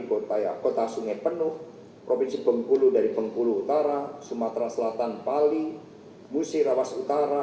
kota sungai penuh provinsi bengkulu dari bengkulu utara sumatera selatan pali musirawas utara